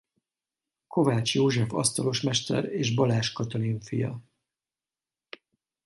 Kovács József asztalosmester és Balázs Katalin fia.